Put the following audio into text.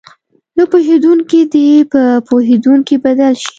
نه پوهېدونکي دې په پوهېدونکي بدل شي.